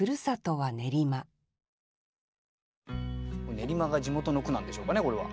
練馬が地元の句なんでしょうかねこれは。